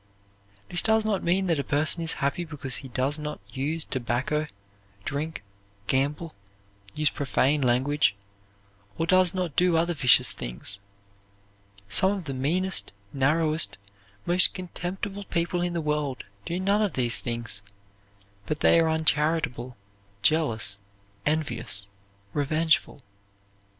This does not mean that a person is happy because he does not use tobacco, drink, gamble, use profane language or does not do other vicious things. Some of the meanest, narrowest, most contemptible people in the world do none of these things but they are uncharitable, jealous, envious, revengeful.